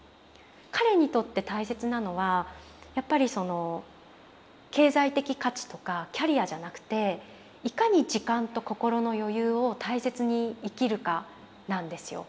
彼にとって大切なのはやっぱりその経済的価値とかキャリアじゃなくていかに時間と心の余裕を大切に生きるかなんですよ。